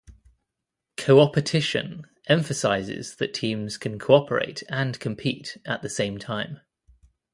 Coopertition emphasizes that teams can cooperate and compete at the same time.